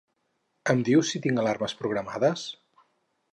Em dius si tinc alarmes programades?